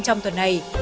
trong tuần này